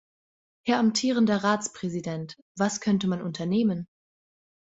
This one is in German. Herr amtierender Ratspräsident, was könnte man unternehmen?